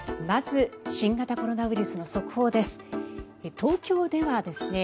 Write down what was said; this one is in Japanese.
まず、新型コロナウイルスの速報です。